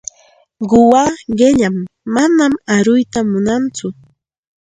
Quwaa qilam, manam aruyta munantsu.